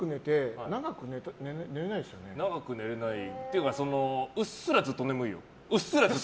長く寝れないというかうっすらずっと眠いよ。